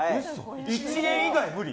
１円以外無理。